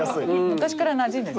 昔からなじんでる。